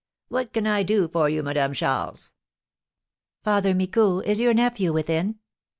"What can I do for you, Madame Charles?" "Father Micou, is your nephew within?"